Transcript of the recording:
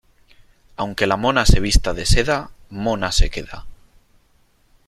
Aunque la mona se vista de seda, mona se queda.